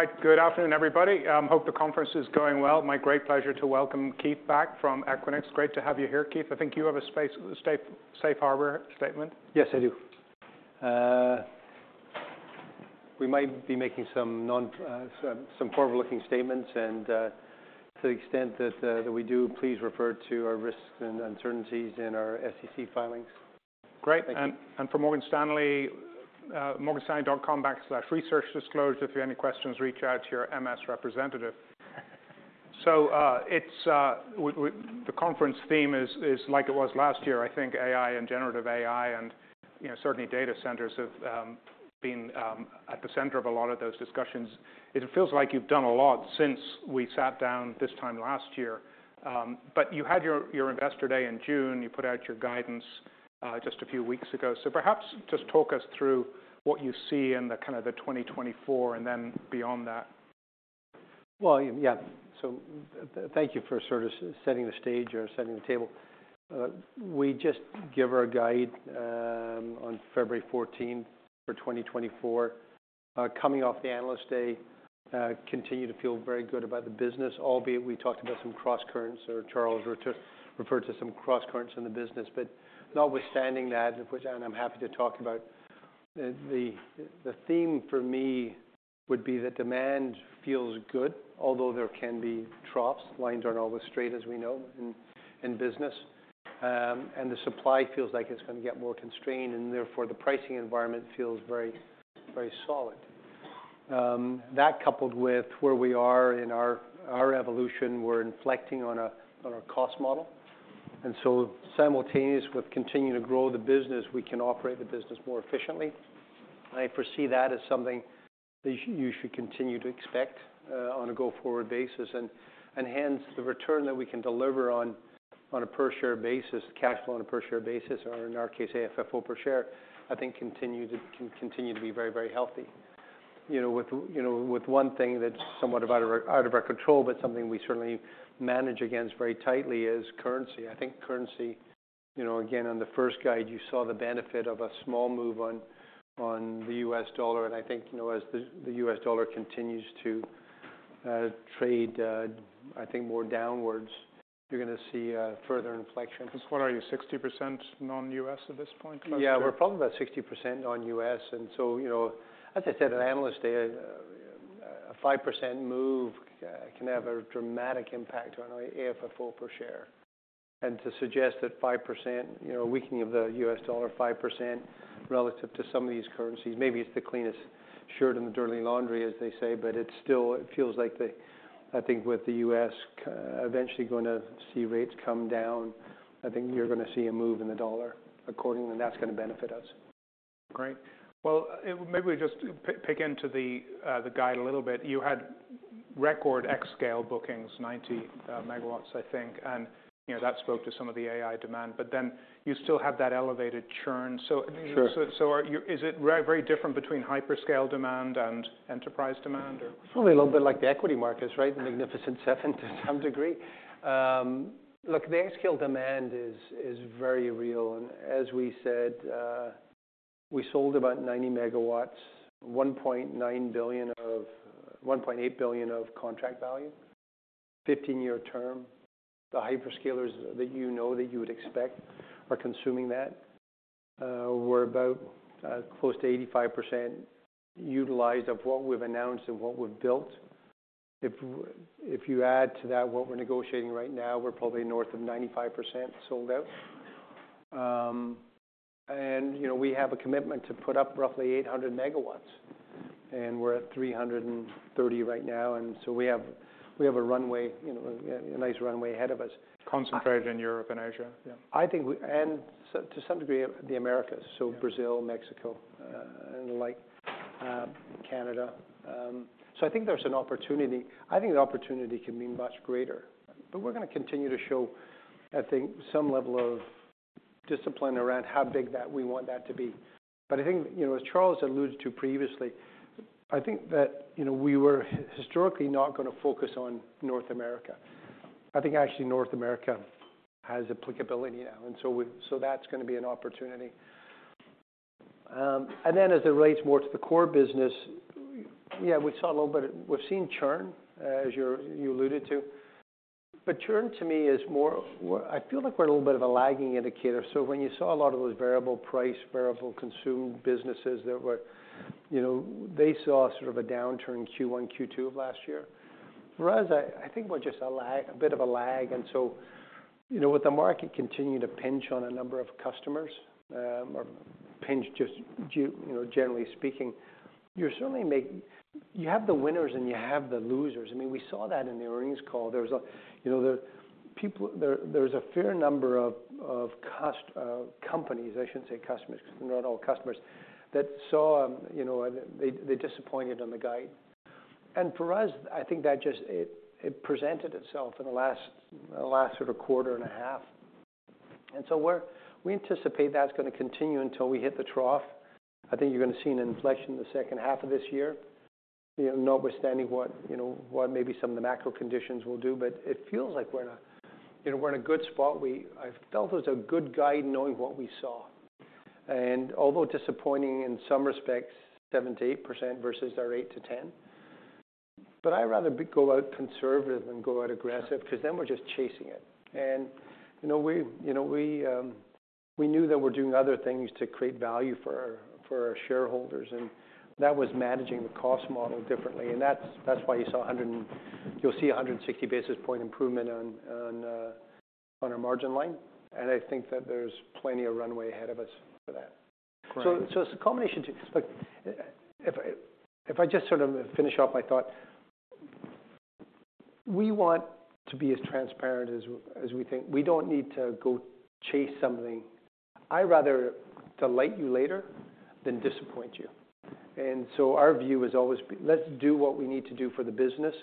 Right. Good afternoon, everybody. Hope the conference is going well. My great pleasure to welcome Keith back from Equinix. Great to have you here, Keith. I think you have a space, safe, safe harbor statement. Yes, I do. We might be making some forward-looking statements and, to the extent that that we do, please refer to our risks and uncertainties in our SEC filings. Great. Thank you. For Morgan Stanley, morganstanley.com/research disclosure. If you have any questions, reach out to your MS representative. So, the conference theme is like it was last year, I think, AI and generative AI, and you know, certainly, data centers have been at the center of a lot of those discussions. It feels like you've done a lot since we sat down this time last year. But you had your investor day in June. You put out your guidance just a few weeks ago. So perhaps just talk us through what you see in the kind of the 2024, and then beyond that. Well, yeah. So thank you for sort of setting the stage or setting the table. We just gave our guide on February 14, 2024. Coming off the Analyst Day, we continue to feel very good about the business, albeit we talked about some crosscurrents, or Charles referred to some crosscurrents in the business. But notwithstanding that, which... And I'm happy to talk about, the theme for me would be that demand feels good, although there can be troughs. Lines aren't always straight, as we know, in business. And the supply feels like it's gonna get more constrained, and therefore, the pricing environment feels very, very solid. That coupled with where we are in our, our evolution, we're inflecting on a, on a cost model, and so simultaneous with continuing to grow the business, we can operate the business more efficiently. I foresee that as something that you, you should continue to expect, on a go-forward basis. And, and hence, the return that we can deliver on, on a per-share basis, cash flow on a per-share basis, or in our case, AFFO per share, I think continue to... can continue to be very, very healthy. You know, with, you know, with one thing that's somewhat out of our, out of our control, but something we certainly manage against very tightly, is currency. I think currency, you know, again, on the first guide, you saw the benefit of a small move on, on the US dollar. I think, you know, as the U.S. dollar continues to trade, I think more downwards, you're gonna see further inflection. 'Cause what are you, 60% non-US at this point, approximately? Yeah, we're probably about 60% non-U.S. And so, you know, as I said at Analyst Day, a 5% move can have a dramatic impact on our AFFO per share. And to suggest that 5%, you know, a weakening of the U.S. dollar, 5% relative to some of these currencies, maybe it's the cleanest shirt in the dirty laundry, as they say, but it's still - it feels like the... I think, with the U.S., eventually going to see rates come down, I think you're gonna see a move in the dollar accordingly, and that's gonna benefit us. Great. Well, maybe we just pick into the guide a little bit. You had record xScale bookings, 90 MW, I think, and, you know, that spoke to some of the AI demand, but then you still have that elevated churn, so- Sure. So, are you, is it very, very different between hyperscale demand and enterprise demand, or? It's probably a little bit like the equity markets, right? Mm-hmm. The Magnificent Seven, to some degree. Look, the xScale demand is, is very real. And as we said, we sold about 90 MW, $1.9 billion of... $1.8 billion of contract value, 15-year term. The hyperscalers that you know, that you would expect, are consuming that. We're about, close to 85% utilized of what we've announced and what we've built. If, if you add to that, what we're negotiating right now, we're probably north of 95% sold out. And, you know, we have a commitment to put up roughly 800 MW, and we're at 330 right now, and so we have, we have a runway, you know, a, a nice runway ahead of us. Concentrated in Europe and Asia? Yeah. I think we... And so to some degree, the Americas- Yeah... so Brazil, Mexico, and like, Canada. So I think there's an opportunity. I think the opportunity can be much greater, but we're gonna continue to show, I think, some level of discipline around how big that we want that to be. But I think, you know, as Charles alluded to previously, I think that, you know, we were historically not gonna focus on North America. I think, actually, North America has applicability now, and so that's gonna be an opportunity. And then as it relates more to the core business, yeah, we saw a little bit... We've seen churn, as you alluded to, but churn to me is more. I feel like we're a little bit of a lagging indicator. So when you saw a lot of those variable price, variable consume businesses that were... You know, they saw sort of a downturn Q1, Q2 of last year. For us, I think we're just a lag, a bit of a lag, and so, you know, with the market continuing to pinch on a number of customers, or pinch just you know, generally speaking, you certainly have the winners and you have the losers. I mean, we saw that in the earnings call. There was a, you know, a fair number of companies, I shouldn't say customers, 'cause they're not all customers, that saw, you know, they disappointed on the guide. And for us, I think that just it presented itself in the last sort of quarter and a half. And so we anticipate that's gonna continue until we hit the trough. I think you're gonna see an inflection in the second half of this year, you know, notwithstanding what, you know, what maybe some of the macro conditions will do. But it feels like we're in a, you know, we're in a good spot. I felt it was a good guide, knowing what we saw, and although disappointing in some respects, 7%-8% versus our 8%-10%. But I'd rather go out conservative than go out aggressive, because then we're just chasing it. And, you know, we, you know, we knew that we're doing other things to create value for our, for our shareholders, and that was managing the cost model differently. That's why you saw 100-- you'll see 160 basis point improvement on our margin line, and I think that there's plenty of runway ahead of us for that. Great. So it's a combination to expect. If I just sort of finish off my thought, we want to be as transparent as we think. We don't need to go chase something. I'd rather delight you later than disappoint you. And so our view is always be, "Let's do what we need to do for the business."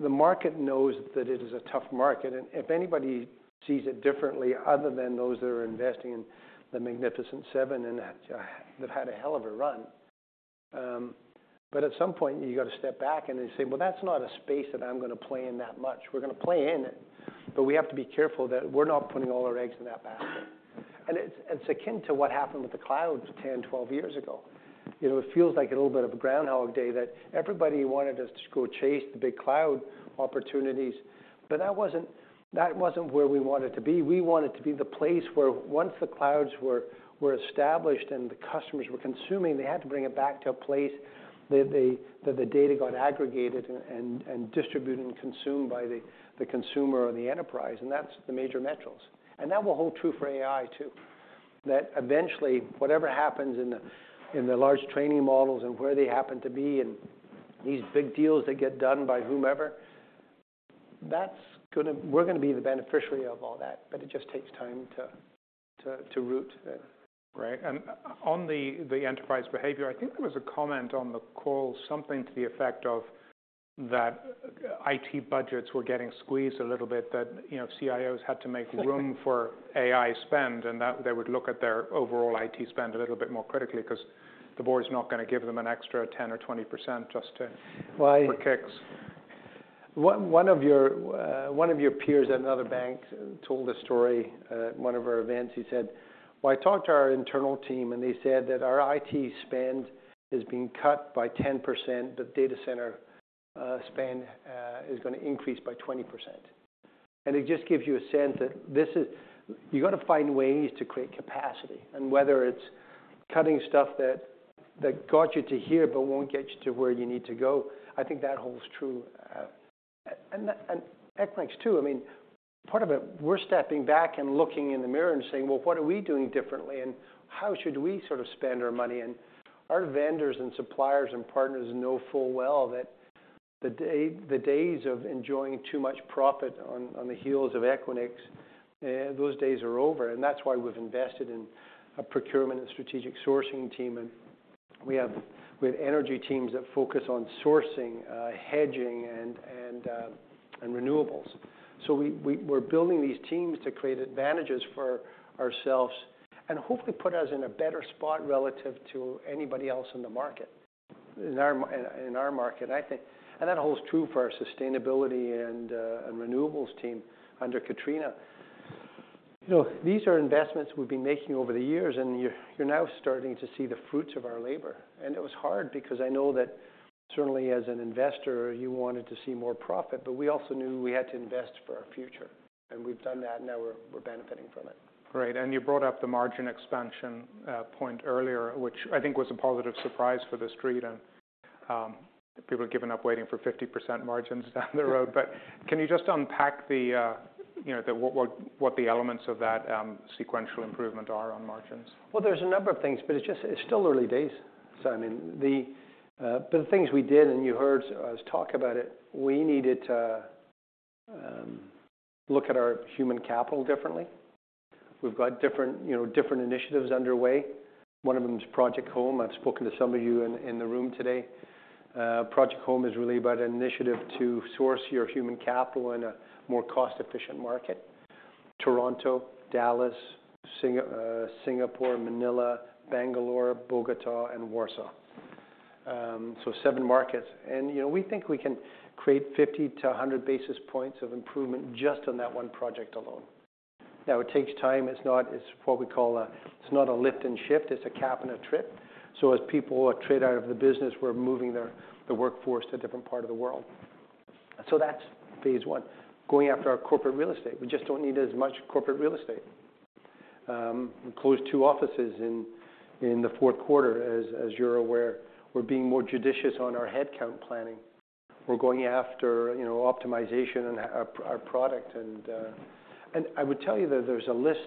The market knows that it is a tough market, and if anybody sees it differently, other than those that are investing in the Magnificent Seven, and that they've had a hell of a run. But at some point, you've got to step back and then say: Well, that's not a space that I'm going to play in that much. We're going to play in it, but we have to be careful that we're not putting all our eggs in that basket. It's, it's akin to what happened with the clouds 10, 12 years ago. You know, it feels like a little bit of a Groundhog Day, that everybody wanted us to go chase the big cloud opportunities, but that wasn't, that wasn't where we wanted to be. We wanted to be the place where once the clouds were, were established and the customers were consuming, they had to bring it back to a place that the, that the data got aggregated and, and distributed and consumed by the, the consumer or the enterprise, and that's the major metros. That will hold true for AI, too. That eventually, whatever happens in the large training models and where they happen to be, and these big deals that get done by whomever, that's gonna. We're gonna be the beneficiary of all that, but it just takes time to root there. Right. And on the enterprise behavior, I think there was a comment on the call, something to the effect of that IT budgets were getting squeezed a little bit, that, you know, CIOs had to make room for AI spend, and that they would look at their overall IT spend a little bit more critically, 'cause the board's not gonna give them an extra 10% or 20% just to- Well, I- -for kicks. One of your peers at another bank told a story at one of our events. He said, "Well, I talked to our internal team, and they said that our IT spend is being cut by 10%, but data center spend is going to increase by 20%." And it just gives you a sense that this is... You've got to find ways to create capacity, and whether it's cutting stuff that got you to here but won't get you to where you need to go, I think that holds true. And that, and Equinix, too, I mean, part of it, we're stepping back and looking in the mirror and saying: Well, what are we doing differently, and how should we sort of spend our money? Our vendors and suppliers and partners know full well that the days of enjoying too much profit on the heels of Equinix, those days are over, and that's why we've invested in a procurement and strategic sourcing team, and we have energy teams that focus on sourcing, hedging, and renewables. So we're building these teams to create advantages for ourselves and hopefully put us in a better spot relative to anybody else in the market, in our market, I think. And that holds true for our sustainability and renewables team under Katrina. You know, these are investments we've been making over the years, and you're now starting to see the fruits of our labor. It was hard because I know that certainly as an investor, you wanted to see more profit, but we also knew we had to invest for our future, and we've done that. Now we're benefiting from it. Great, and you brought up the margin expansion point earlier, which I think was a positive surprise for the street, and people have given up waiting for 50% margins down the road. But can you just unpack the, you know, the what the elements of that sequential improvement are on margins? Well, there's a number of things, but it's just, it's still early days. So I mean, the things we did, and you heard us talk about it, we needed to look at our human capital differently. We've got different, you know, different initiatives underway. One of them is Project Home. I've spoken to some of you in the room today. Project Home is really about an initiative to source your human capital in a more cost-efficient market. Toronto, Dallas, Singapore, Manila, Bangalore, Bogotá, and Warsaw. So seven markets. And, you know, we think we can create 50-100 basis points of improvement just on that one project alone. Now, it takes time. It's not, it's what we call, it's not a lift and shift, it's a cap and attrit. So as people trade out of the business, we're moving their, the workforce to a different part of the world. So that's phase one. Going after our corporate real estate. We just don't need as much corporate real estate. We closed two offices in the Q4, as you're aware. We're being more judicious on our headcount planning. We're going after, you know, optimization and our product. And I would tell you that there's a list.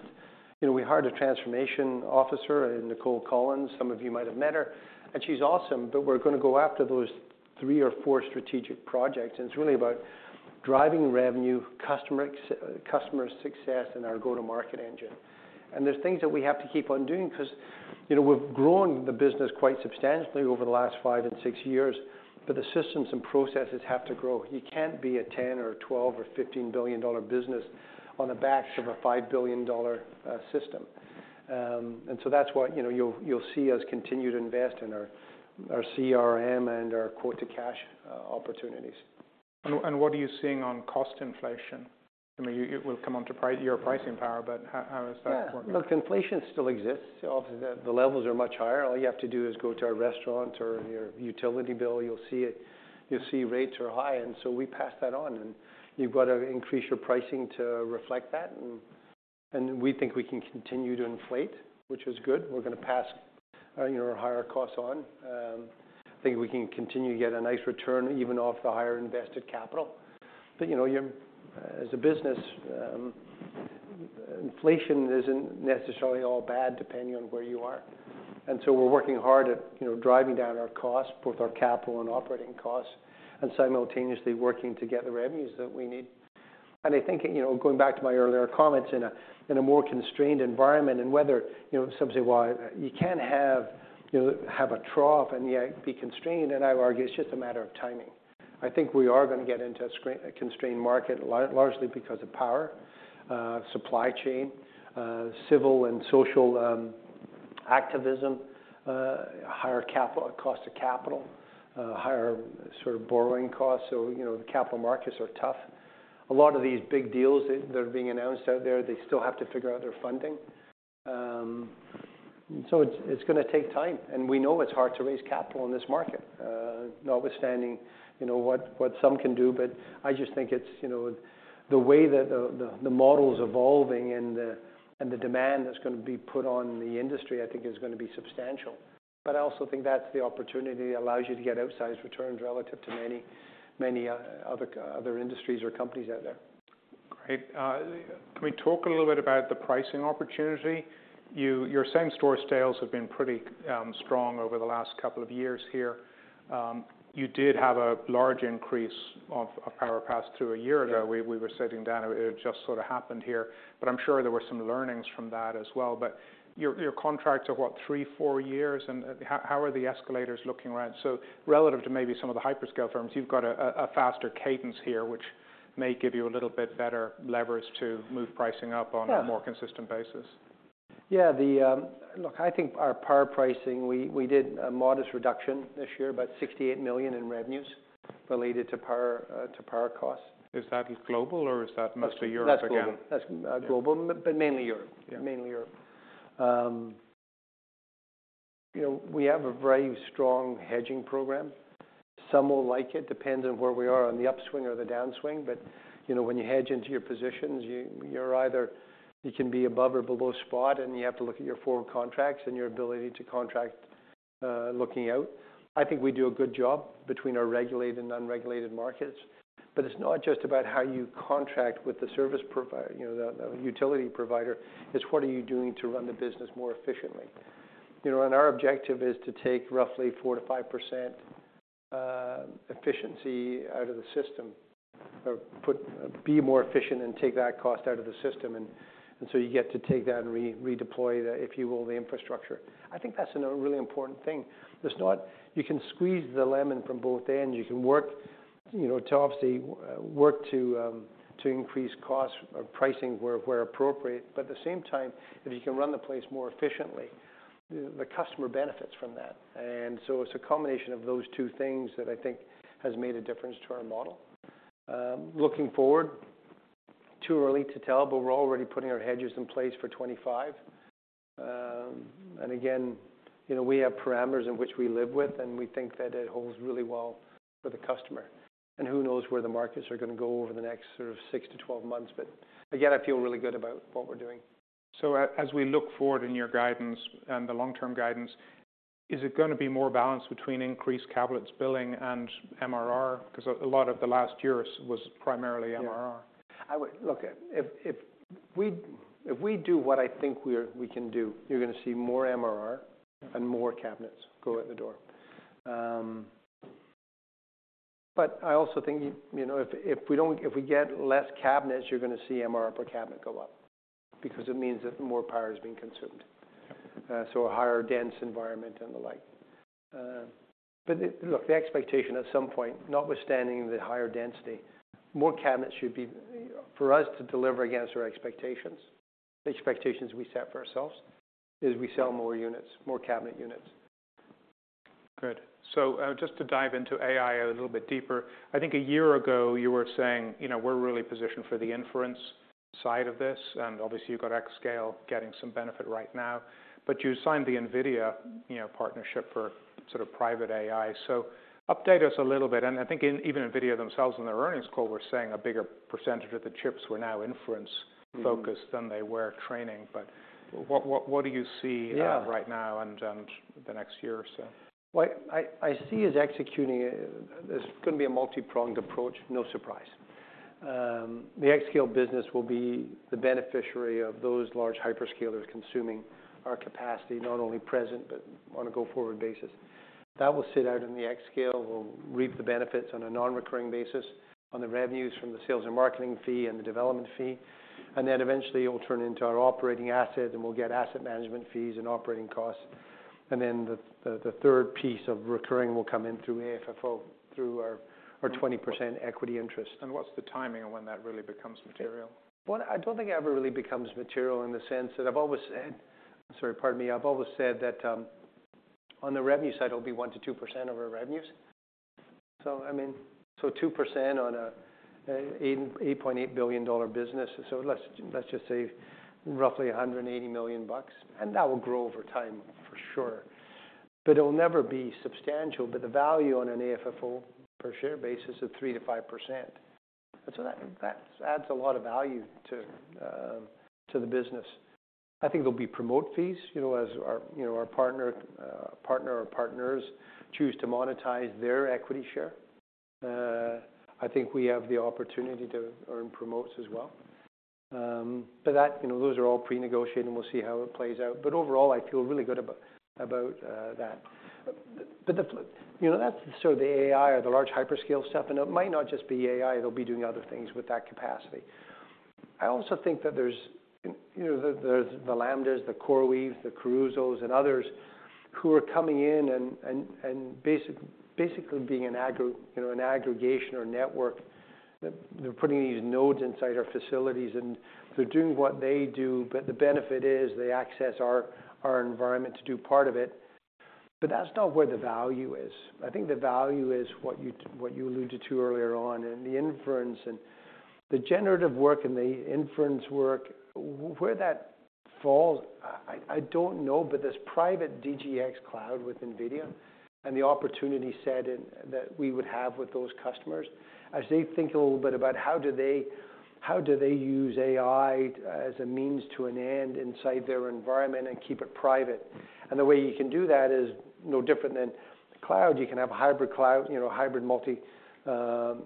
You know, we hired a transformation officer in Nicole Collins. Some of you might have met her, and she's awesome. But we're gonna go after those three or four strategic projects, and it's really about driving revenue, customer success in our go-to-market engine. There's things that we have to keep on doing because, you know, we've grown the business quite substantially over the last 5 and 6 years, but the systems and processes have to grow. You can't be a $10 or $12 or $15 billion dollar business on the back of a $5 billion dollar system. And so that's why, you know, you'll, you'll see us continue to invest in our, our CRM and our quote-to-cash opportunities.... And what are you seeing on cost inflation? I mean, it will come onto your pricing power, but how is that working? Yeah. Look, inflation still exists. Obviously, the levels are much higher. All you have to do is go to a restaurant or your utility bill, you'll see it. You'll see rates are high, and so we pass that on, and you've got to increase your pricing to reflect that. And we think we can continue to inflate, which is good. We're gonna pass, you know, our higher costs on. I think we can continue to get a nice return even off the higher invested capital. But, you know, you're as a business, inflation isn't necessarily all bad, depending on where you are. And so we're working hard at, you know, driving down our costs, both our capital and operating costs, and simultaneously working to get the revenues that we need. I think, you know, going back to my earlier comments, in a more constrained environment and whether, you know, some say, well, you can't have a trough and yet be constrained, and I would argue it's just a matter of timing. I think we are gonna get into a constrained market, largely because of power, supply chain, civil and social activism, higher capital cost of capital, higher sort of borrowing costs. So, you know, the capital markets are tough. A lot of these big deals that are being announced out there, they still have to figure out their funding. So it's gonna take time, and we know it's hard to raise capital in this market, notwithstanding, you know, what some can do. But I just think it's, you know, the way that the model is evolving and the demand that's gonna be put on the industry, I think is gonna be substantial. But I also think that's the opportunity that allows you to get outsized returns relative to many other industries or companies out there. Great. Can we talk a little bit about the pricing opportunity? Your same-store sales have been pretty strong over the last couple of years here. You did have a large increase of power pass through a year ago. Yeah. We were sitting down, it just sort of happened here, but I'm sure there were some learnings from that as well. But your contracts are, what? 3-4 years, and how are the escalators looking right? So relative to maybe some of the hyperscale firms, you've got a faster cadence here, which may give you a little bit better leverage to move pricing up- Yeah... on a more consistent basis. Yeah, look, I think our power pricing. We did a modest reduction this year, about $68 million in revenues related to power, to power costs. Is that global or is that mostly Europe again? That's global. That's global- Yeah... but mainly Europe. Yeah. Mainly Europe. You know, we have a very strong hedging program. Some will like it, depends on where we are on the upswing or the downswing. But, you know, when you hedge into your positions, you, you can be above or below spot, and you have to look at your forward contracts and your ability to contract, looking out. I think we do a good job between our regulated and unregulated markets. But it's not just about how you contract with the utility provider, it's what are you doing to run the business more efficiently? You know, and our objective is to take roughly 4%-5% efficiency out of the system or be more efficient and take that cost out of the system. And so you get to take that and redeploy the, if you will, the infrastructure. I think that's another really important thing. It's not. You can squeeze the lemon from both ends. You can work, you know, to obviously work to to increase costs or pricing where, where appropriate. But at the same time, if you can run the place more efficiently, the customer benefits from that. And so it's a combination of those two things that I think has made a difference to our model. Looking forward, too early to tell, but we're already putting our hedges in place for 25. And again, you know, we have parameters in which we live with, and we think that it holds really well for the customer. And who knows where the markets are gonna go over the next sort of 6-12 months? But again, I feel really good about what we're doing. So as we look forward in your guidance and the long-term guidance, is it gonna be more balanced between increased cabinets billing and MRR? Because a lot of the last year was primarily MRR. Yeah. I would... Look, if we do what I think we can do, you're gonna see more MRR- Yeah... and more cabinets go out the door. But I also think, you know, if we get less cabinets, you're gonna see MRR per cabinet go up because it means that more power is being consumed. Yeah. So a higher density environment and the like. But look, the expectation at some point, notwithstanding the higher density, more cabinets should be... For us to deliver against our expectations, the expectations we set for ourselves, is we sell more units, more cabinet units. Good. So, just to dive into AI a little bit deeper, I think a year ago you were saying, "You know, we're really positioned for the inference side of this." And obviously, you've got xScale getting some benefit right now, but you signed the NVIDIA, you know, partnership for sort of private AI. So update us a little bit, and even NVIDIA themselves, in their earnings call, were saying a bigger percentage of the chips were now inference-focused- Mm-hmm... than they were training. But what do you see- Yeah... right now and, and the next year or so? What I, I see is executing, it's gonna be a multi-pronged approach, no surprise. The xScale business will be the beneficiary of those large hyperscalers consuming our capacity, not only present but on a go-forward basis. That will sit out in the xScale. We'll reap the benefits on a non-recurring basis, on the revenues from the sales and marketing fee and the development fee. And then eventually, it'll turn into our operating asset, and we'll get asset management fees and operating costs. And then the third piece of recurring will come in through AFFO, through our 20% equity interest. What's the timing on when that really becomes material? Well, I don't think it ever really becomes material in the sense that I've always said... Sorry, pardon me. I've always said that on the revenue side, it'll be 1%-2% of our revenues. So I mean, so 2% on a $8.8 billion business. So let's just say roughly $180 million, and that will grow over time for sure, but it'll never be substantial. But the value on an AFFO per share basis is 3%-5%. And so that adds a lot of value to the business. I think there'll be promote fees, you know, as our partner or partners choose to monetize their equity share. I think we have the opportunity to earn promotes as well. But that, you know, those are all pre-negotiated, and we'll see how it plays out. But overall, I feel really good about, about, that. But the, you know, that's so the AI or the large hyperscale stuff, and it might not just be AI, they'll be doing other things with that capacity. I also think that there's, you know, the, the Lambdas, the CoreWeaves, the Crusoes, and others who are coming in and basically being an aggregation or network. They're putting these nodes inside our facilities, and they're doing what they do, but the benefit is they access our environment to do part of it. But that's not where the value is. I think the value is what you alluded to earlier on, and the inference and the generative work and the inference work, where that falls, I don't know. But this private DGX Cloud with NVIDIA and the opportunity set in... That we would have with those customers, as they think a little bit about how do they use AI as a means to an end inside their environment and keep it private? And the way you can do that is no different than cloud. You can have a hybrid cloud, you know, a hybrid multi-cloud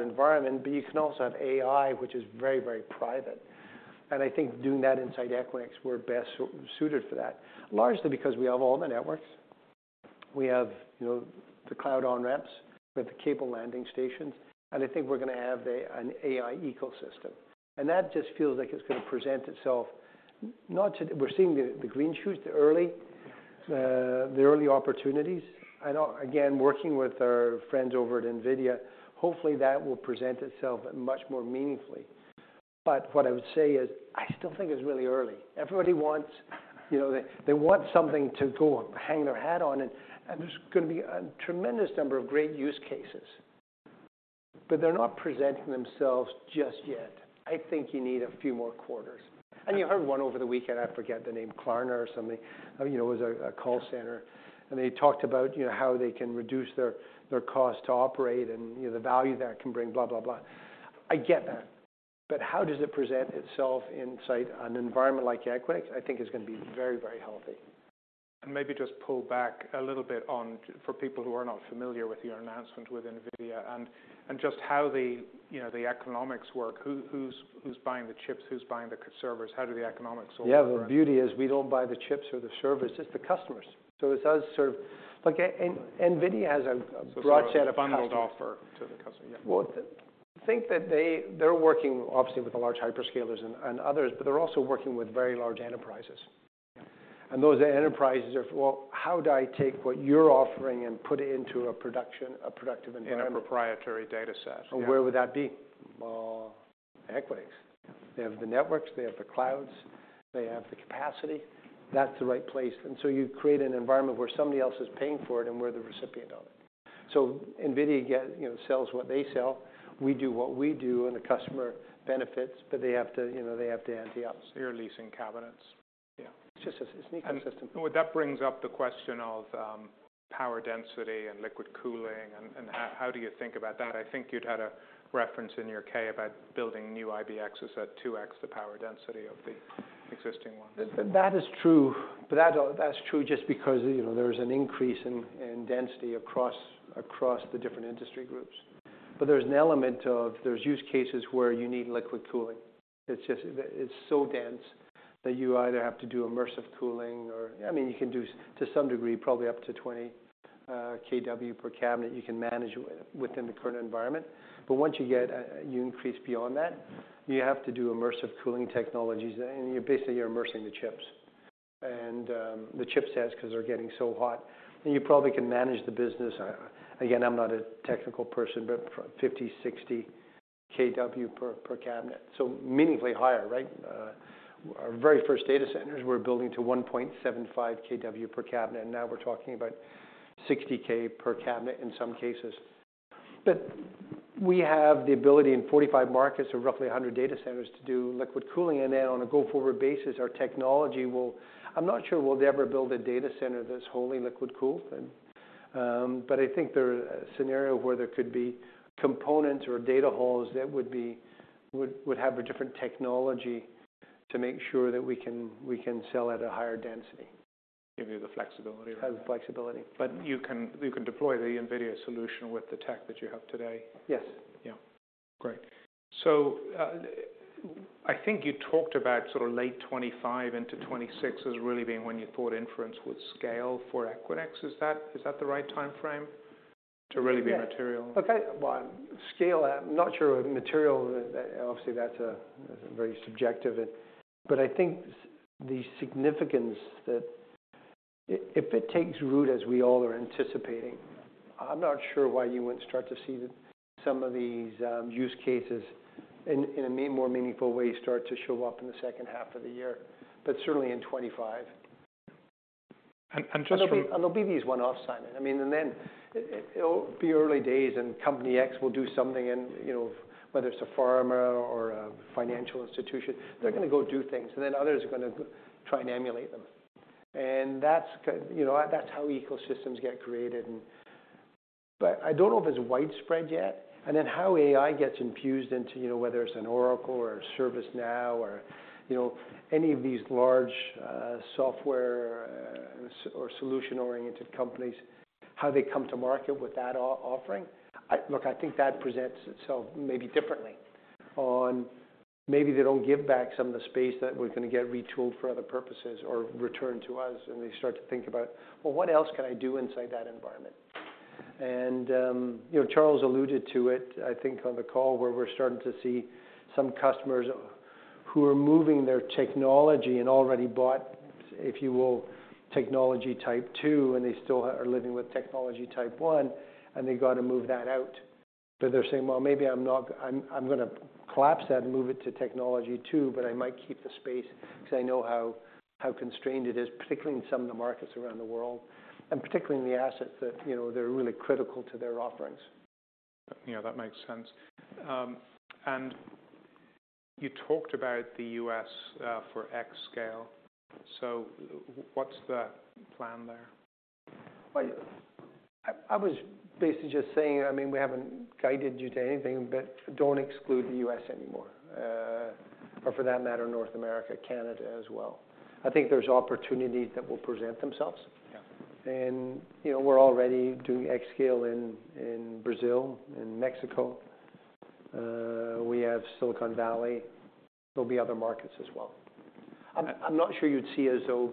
environment, but you can also have AI, which is very, very private. And I think doing that inside Equinix, we're best suited for that, largely because we have all the networks. We have, you know, the cloud on-ramps, we have the cable landing stations, and I think we're gonna have an AI ecosystem. And that just feels like it's gonna present itself. Not to, we're seeing the green shoots, the early opportunities. I know. Again, working with our friends over at NVIDIA, hopefully that will present itself much more meaningfully. But what I would say is, I still think it's really early. Everybody wants, you know, they want something to go hang their hat on, and there's gonna be a tremendous number of great use cases, but they're not presenting themselves just yet. I think you need a few more quarters. And you heard one over the weekend, I forget the name, Klarna or something, you know, it was a call center. And they talked about, you know, how they can reduce their cost to operate and, you know, the value that it can bring, blah, blah, blah. I get that. But how does it present itself inside an environment like Equinix? I think it's gonna be very, very healthy. Maybe just pull back a little bit on, for people who are not familiar with your announcement with NVIDIA and just how, you know, the economics work. Who’s buying the chips? Who’s buying the servers? How do the economics all work? Yeah, the beauty is we don't buy the chips or the servers, it's the customers. So it does sort of like, and NVIDIA has a broad set of customers- So it's a bundled offer to the customer, yeah. Well, I think that they're working obviously with the large hyperscalers and others, but they're also working with very large enterprises. Those enterprises are, "Well, how do I take what you're offering and put it into a production, a productive environment? In a proprietary data set, yeah. Where would that be? Well, Equinix. They have the networks, they have the clouds, they have the capacity. That's the right place. And so you create an environment where somebody else is paying for it, and we're the recipient of it. So NVIDIA, again, you know, sells what they sell, we do what we do, and the customer benefits. But they have to, you know, they have to ante up. You're leasing cabinets. Yeah, it's just, it's an ecosystem. Well, that brings up the question of power density and liquid cooling, and how do you think about that? I think you'd had a reference in your K about building new IBXes at 2x the power density of the existing ones. That is true. But that's true just because, you know, there's an increase in density across the different industry groups. But there's an element of use cases where you need liquid cooling. It's just that it's so dense that you either have to do immersive cooling or... I mean, you can do, to some degree, probably up to 20 kW per cabinet, you can manage within the current environment. But once you get you increase beyond that, you have to do immersive cooling technologies, and you're basically you're immersing the chips and the chipsets because they're getting so hot. And you probably can manage the business, again, I'm not a technical person, but 50-60 kW per cabinet, so meaningfully higher, right? Our very first data centers were building to 1.75 kW per cabinet, and now we're talking about 60 kW per cabinet in some cases. But we have the ability in 45 markets, so roughly 100 data centers, to do liquid cooling, and now, on a go-forward basis, our technology will... I'm not sure we'll ever build a data center that's wholly liquid-cooled. But I think there's a scenario where there could be components or data halls that would have a different technology to make sure that we can sell at a higher density. Give you the flexibility, right? Have the flexibility. You can, you can deploy the NVIDIA solution with the tech that you have today? Yes. Yeah. Great. So, I think you talked about sort of late 2025 into 2026 as really being when you thought inference would scale for Equinix. Is that, is that the right timeframe to really- Yeah... be material? Okay. Well, scale, I'm not sure. Material, obviously, that's very subjective. But I think the significance that if it takes root, as we all are anticipating. I'm not sure why you wouldn't start to see some of these use cases in a more meaningful way start to show up in the second half of the year, but certainly in 2025. And just to- And there'll be these one-off signing. I mean, and then it, it'll be early days, and Company X will do something and, you know, whether it's a pharma or a financial institution, they're gonna go do things, and then others are gonna try and emulate them. And that's key, you know, that's how ecosystems get created, and... But I don't know if it's widespread yet. And then how AI gets infused into, you know, whether it's an Oracle or a ServiceNow or, you know, any of these large software or solution-oriented companies, how they come to market with that offering. Look, I think that presents itself maybe differently on maybe they don't give back some of the space that we're gonna get retooled for other purposes or return to us, and they start to think about, "Well, what else can I do inside that environment?" And, you know, Charles alluded to it, I think, on the call, where we're starting to see some customers who are moving their technology and already bought, if you will, technology type two, and they still are living with technology type one, and they've got to move that out. But they're saying, "Well, maybe I'm gonna collapse that and move it to technology two, but I might keep the space because I know how constrained it is," particularly in some of the markets around the world, and particularly in the assets that, you know, they're really critical to their offerings. Yeah, that makes sense. And you talked about the U.S., for xScale, so what's the plan there? Well, I was basically just saying, I mean, we haven't guided you to anything, but don't exclude the U.S. anymore, or for that matter, North America, Canada as well. I think there's opportunities that will present themselves. Yeah. You know, we're already doing xScale in Brazil and Mexico. We have Silicon Valley. There'll be other markets as well. I'm not sure you'd see us, though,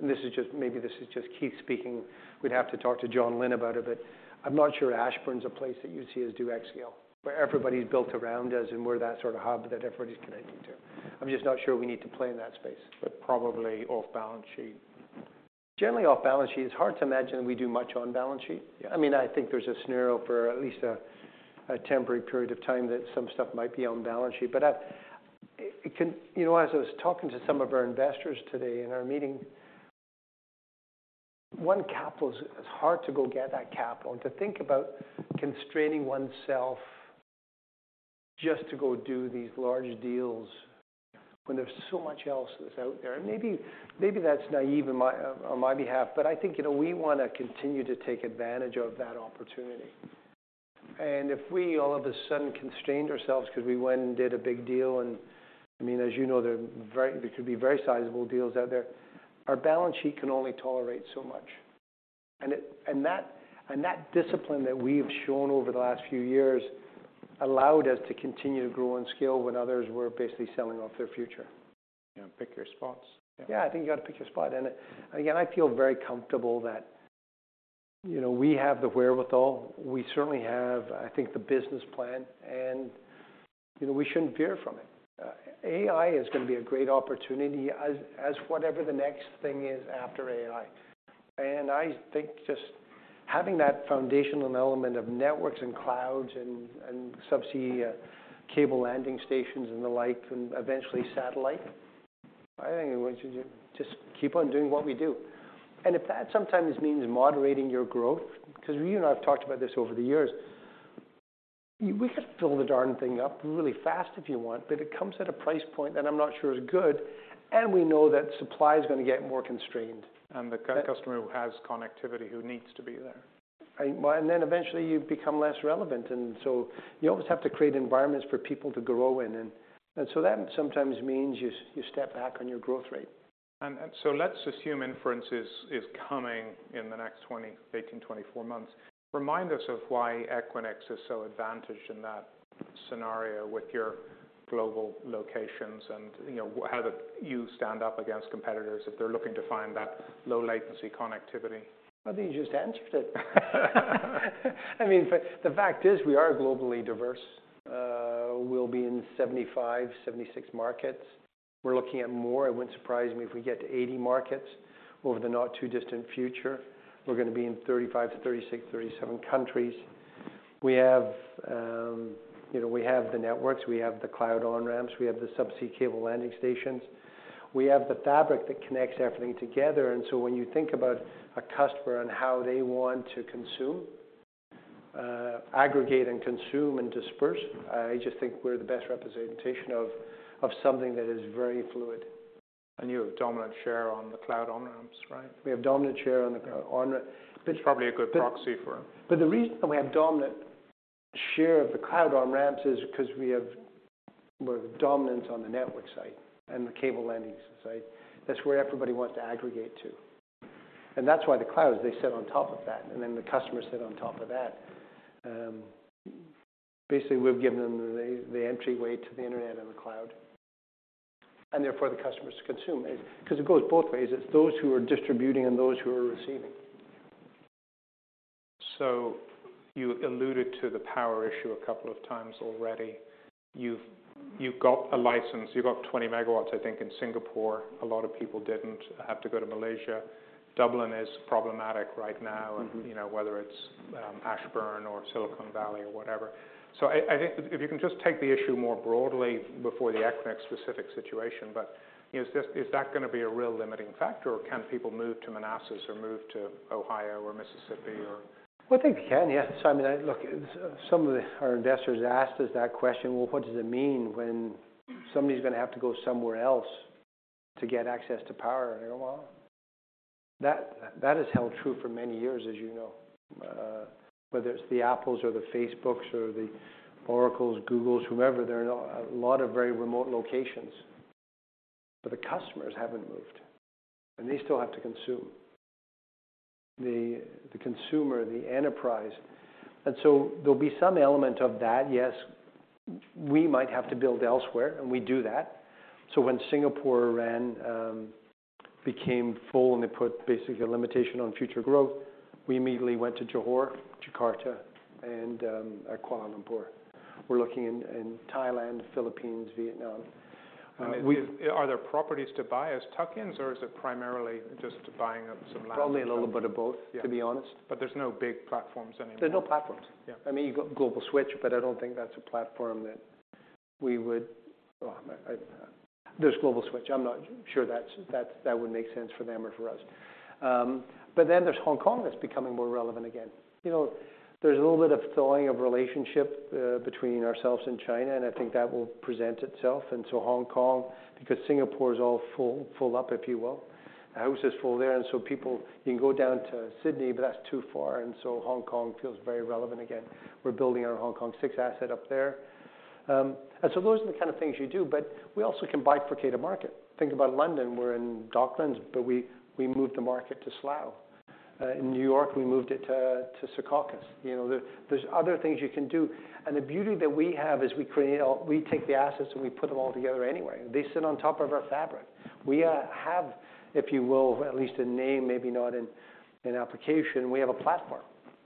and this is just, maybe this is just Keith speaking. We'd have to talk to Jon Lin about it, but I'm not sure Ashburn's a place that you'd see us do xScale, where everybody's built around us, and we're that sort of hub that everybody's connecting to. I'm just not sure we need to play in that space. But probably off-balance-sheet. Generally, off balance sheet. It's hard to imagine we do much on balance sheet. Yeah. I mean, I think there's a scenario for at least a temporary period of time that some stuff might be on balance sheet. But it can. You know, as I was talking to some of our investors today in our meeting, capital is hard to go get that capital and to think about constraining oneself just to go do these large deals when there's so much else that's out there. And maybe that's naive on my behalf, but I think, you know, we want to continue to take advantage of that opportunity. And if we all of a sudden constrained ourselves because we went and did a big deal, and I mean, as you know, there could be very sizable deals out there, our balance sheet can only tolerate so much. And that discipline that we've shown over the last few years allowed us to continue to grow and scale when others were basically selling off their future. You know, pick your spots. Yeah, I think you got to pick your spot. And, again, I feel very comfortable that, you know, we have the wherewithal. We certainly have, I think, the business plan, and, you know, we shouldn't veer from it. AI is gonna be a great opportunity as, as whatever the next thing is after AI. And I think just having that foundational element of networks and clouds and, and subsea cable landing stations and the like, and eventually satellite, I think we should just, just keep on doing what we do. And if that sometimes means moderating your growth, because you and I have talked about this over the years, we could fill the darn thing up really fast if you want, but it comes at a price point that I'm not sure is good, and we know that supply is gonna get more constrained. The customer who has connectivity, who needs to be there. Well, and then eventually, you become less relevant, and so you always have to create environments for people to grow in. And, and so that sometimes means you, you step back on your growth rate. So let's assume inference is coming in the next 18-24 months. Remind us of why Equinix is so advantaged in that scenario with your global locations and, you know, how do you stand up against competitors if they're looking to find that low latency connectivity? I think you just answered it. I mean, but the fact is, we are globally diverse. We'll be in 75, 76 markets. We're looking at more. It wouldn't surprise me if we get to 80 markets over the not-too-distant future. We're gonna be in 35 to 36, 37 countries. We have, you know, we have the networks. We have the cloud on-ramps. We have the subsea cable landing stations. We have the fabric that connects everything together, and so when you think about a customer and how they want to consume, aggregate and consume and disperse, I just think we're the best representation of, of something that is very fluid. You have dominant share on the cloud on-ramps, right? We have dominant share on the cloud on-ramp. It's probably a good proxy for... But the reason that we have dominant share of the cloud on-ramps is because we have, we're dominant on the network side and the cable landing sites. That's where everybody wants to aggregate to, and that's why the clouds, they sit on top of that, and then the customers sit on top of that. Basically, we've given them the, the entryway to the internet and the cloud, and therefore, the customers consume it. Because it goes both ways. It's those who are distributing and those who are receiving. So-... you alluded to the power issue a couple of times already. You've got a license, you've got 20 MW, I think, in Singapore. A lot of people didn't have to go to Malaysia. Dublin is problematic right now- Mm-hmm. And, you know, whether it's Ashburn or Silicon Valley or whatever. So I think if you can just take the issue more broadly before the Equinix specific situation, but, you know, is this is that gonna be a real limiting factor, or can people move to Manassas or move to Ohio or Mississippi or? Well, I think they can, yes. I mean, look, some of our investors asked us that question: "Well, what does it mean when somebody's gonna have to go somewhere else to get access to power?" And well, that has held true for many years, as you know. Whether it's the Apples or the Facebooks or the Oracles, Googles, whomever, they're in a lot of very remote locations, but the customers haven't moved, and they still have to consume the consumer, the enterprise. And so there'll be some element of that, yes. We might have to build elsewhere, and we do that. So when Singapore ran, became full, and they put basically a limitation on future growth, we immediately went to Johor, Jakarta, and Kuala Lumpur. We're looking in Thailand, Philippines, Vietnam. Are there properties to buy as tuck-ins, or is it primarily just buying up some land? Probably a little bit of both- Yeah... to be honest. There's no big platforms anymore. There are no platforms. Yeah. I mean, you got Global Switch, but I don't think that's a platform that we would... Oh, there's Global Switch. I'm not sure that would make sense for them or for us. But then there's Hong Kong that's becoming more relevant again. You know, there's a little bit of thawing of relationship between ourselves and China, and I think that will present itself. And so Hong Kong, because Singapore is all full, full up, if you will. The house is full there, and so people you can go down to Sydney, but that's too far, and so Hong Kong feels very relevant again. We're building our Hong Kong 6 asset up there. And so those are the kind of things you do, but we also can bifurcate a market. Think about London. We're in Docklands, but we moved the market to Slough. In New York, we moved it to Secaucus. You know, there, there's other things you can do. And the beauty that we have is we create all, we take the assets, and we put them all together anyway. They sit on top of our fabric. We have, if you will, at least a name, maybe not in application, we have a platform,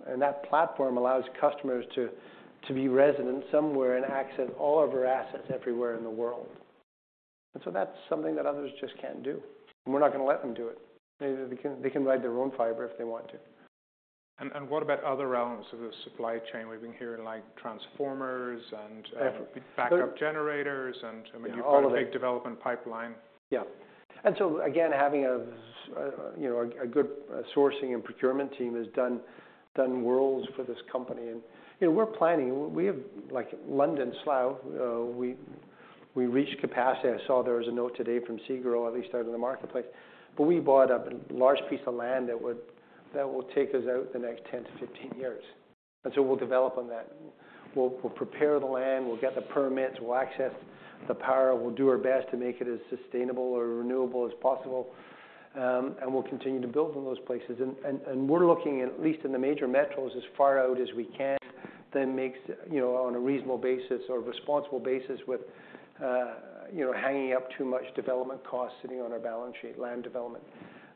and that platform allows customers to be resident somewhere and access all of our assets everywhere in the world. And so that's something that others just can't do, and we're not gonna let them do it. They can ride their own fiber if they want to. What about other elements of the supply chain? We've been hearing, like transformers and Yeah... backup generators and, I mean- All of it.... you've got a big development pipeline. Yeah. And so again, having a, you know, a good sourcing and procurement team has done wonders for this company. And, you know, we're planning. We have, like, London, Slough, we reached capacity. I saw there was a note today from Segro, at least out in the marketplace. But we bought a large piece of land that will take us out the next 10-15 years, and so we'll develop on that. We'll prepare the land, we'll get the permits, we'll access the power, we'll do our best to make it as sustainable or renewable as possible, and we'll continue to build on those places. We're looking at, at least in the major metros, as far out as we can then makes, you know, on a reasonable basis or responsible basis with, you know, hanging up too much development costs sitting on our balance sheet, land development.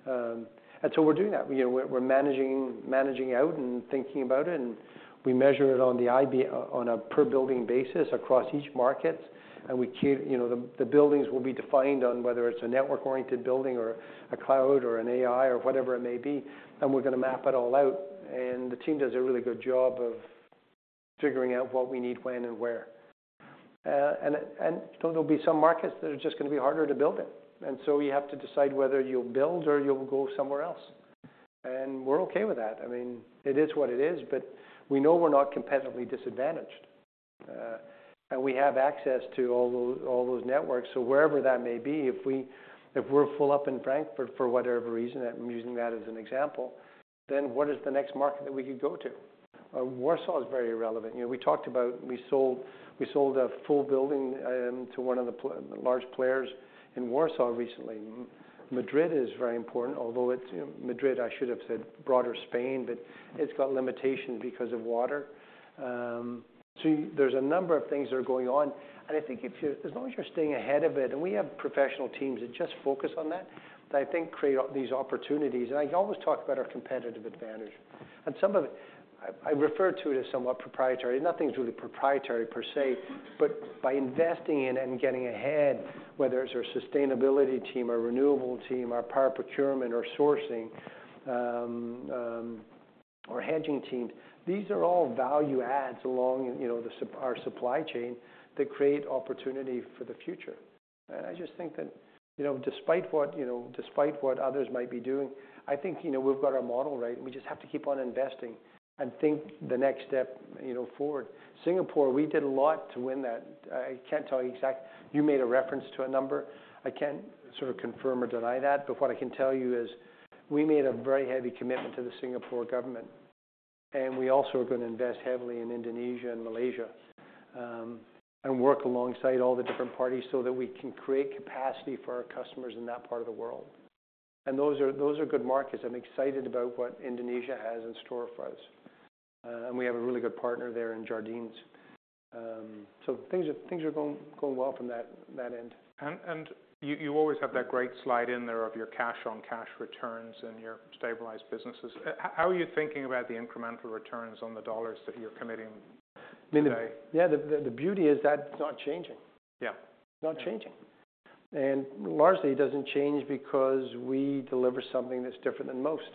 And so we're doing that. You know, we're managing out and thinking about it, and we measure it on the IBX on a per building basis across each market. And we keep you know, the buildings will be defined on whether it's a network-oriented building or a cloud or an AI or whatever it may be, and we're gonna map it all out. And the team does a really good job of figuring out what we need, when, and where. There'll be some markets that are just gonna be harder to build in, and so you have to decide whether you'll build or you'll go somewhere else. We're okay with that. I mean, it is what it is, but we know we're not competitively disadvantaged, and we have access to all those networks. So wherever that may be, if we're full up in Frankfurt for whatever reason, I'm using that as an example, then what is the next market that we could go to? Warsaw is very relevant. You know, we talked about we sold a full building to one of the large players in Warsaw recently. Madrid is very important, although it's, you know, Madrid. I should have said broader Spain, but it's got limitations because of water. So there's a number of things that are going on, and I think if you—as long as you're staying ahead of it, and we have professional teams that just focus on that, that I think create all these opportunities. And I always talk about our competitive advantage. And some of it, I refer to it as somewhat proprietary. Nothing's really proprietary per se, but by investing in it and getting ahead, whether it's our sustainability team, our renewable team, our power procurement, or sourcing, or hedging team, these are all value adds along, you know, our supply chain that create opportunity for the future. And I just think that, you know, despite what, you know, despite what others might be doing, I think, you know, we've got our model right. We just have to keep on investing and think the next step, you know, forward. Singapore, we did a lot to win that. I can't tell you exactly. You made a reference to a number. I can't sort of confirm or deny that, but what I can tell you is we made a very heavy commitment to the Singapore government, and we also are gonna invest heavily in Indonesia and Malaysia, and work alongside all the different parties so that we can create capacity for our customers in that part of the world. And those are good markets. I'm excited about what Indonesia has in store for us, and we have a really good partner there in Jardines. So things are going well from that end. You always have that great slide in there of your cash on cash returns and your stabilized businesses. How are you thinking about the incremental returns on the dollars that you're committing today? Yeah, the beauty is that's not changing. Yeah. It's not changing. Largely, it doesn't change because we deliver something that's different than most.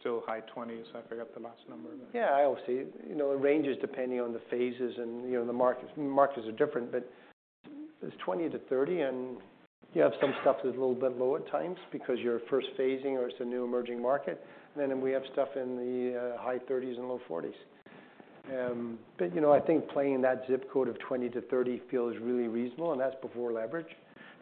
Still high 20s, I forgot the last number. Yeah, I will see. You know, it ranges depending on the phases and, you know, the markets. Markets are different, but it's 20-30, and you have some stuff that's a little bit low at times because you're first phasing or it's a new emerging market. Then we have stuff in the high 30s and low 40s. But, you know, I think playing in that zip code of 20-30 feels really reasonable, and that's before leverage.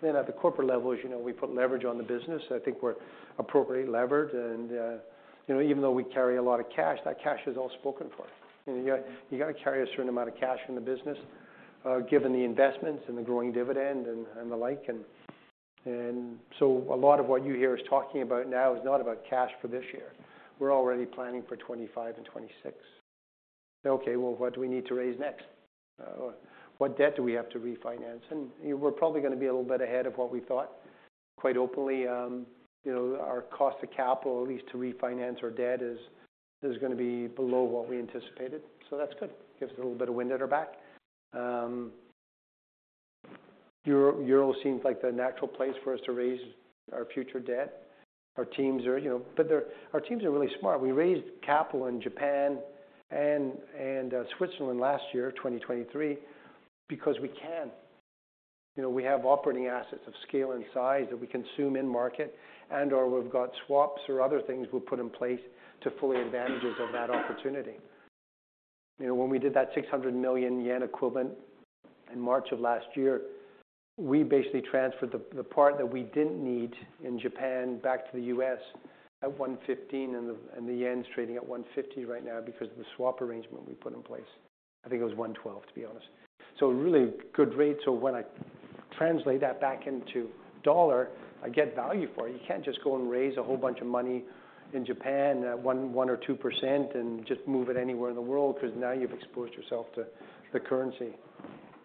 Then at the corporate level, as you know, we put leverage on the business. I think we're appropriately levered. And, you know, even though we carry a lot of cash, that cash is all spoken for. You know, you got to carry a certain amount of cash in the business, given the investments and the growing dividend and the like. So a lot of what you hear us talking about now is not about cash for this year. We're already planning for 2025 and 2026. Okay, well, what do we need to raise next? What debt do we have to refinance? And we're probably going to be a little bit ahead of what we thought. Quite openly, you know, our cost of capital, at least to refinance our debt, is going to be below what we anticipated, so that's good. Gives us a little bit of wind at our back. Euro seems like the natural place for us to raise our future debt. Our teams are, you know, really smart. We raised capital in Japan and Switzerland last year, 2023, because we can. You know, we have operating assets of scale and size that we consume in market, and/or we've got swaps or other things we'll put in place to fully advantage of that opportunity. You know, when we did that 600 million yen equivalent in March of last year, we basically transferred the part that we didn't need in Japan back to the US at 115, and the yen is trading at 150 right now because of the swap arrangement we put in place. I think it was 112, to be honest. So really good rate. So when I translate that back into dollar, I get value for it. You can't just go and raise a whole bunch of money in Japan at 1 or 2% and just move it anywhere in the world, because now you've exposed yourself to the currency,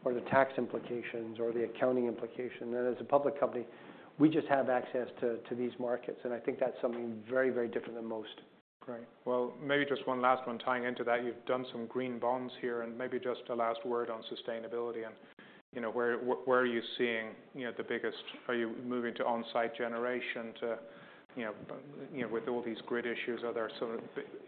or the tax implications, or the accounting implication. As a public company, we just have access to these markets, and I think that's something very, very different than most. Great. Well, maybe just one last one tying into that. You've done some green bonds here, and maybe just a last word on sustainability and, you know, where, where are you seeing, you know, the biggest-- Are you moving to on-site generation to, you know, you know, with all these grid issues, are there sort of...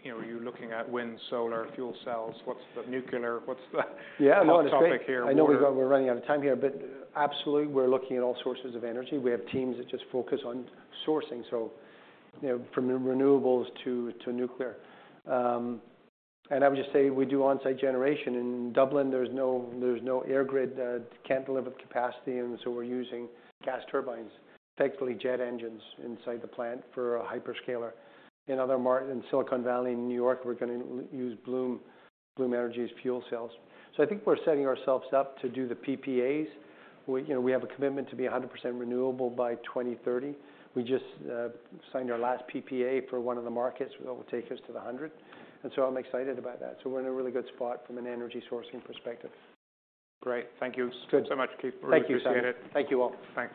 You know, are you looking at wind, solar, fuel cells? What's the nuclear? What's the- Yeah. -topic here? I know we're running out of time here, but absolutely, we're looking at all sources of energy. We have teams that just focus on sourcing, so, you know, from renewables to nuclear. And I would just say we do on-site generation. In Dublin, there's no EirGrid that can't deliver the capacity, and so we're using gas turbines, technically jet engines, inside the plant for a hyperscaler. In other markets, in Silicon Valley, in New York, we're going to use Bloom Energy's fuel cells. So I think we're setting ourselves up to do the PPAs. You know, we have a commitment to be 100% renewable by 2030. We just signed our last PPA for one of the markets that will take us to 100%, and so I'm excited about that. We're in a really good spot from an energy sourcing perspective. Great. Thank you- Good... so much, Keith. Thank you. Really appreciate it. Thank you, all. Thanks.